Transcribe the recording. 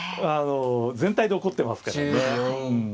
全体で起こってますからね。